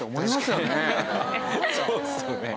そうですよね。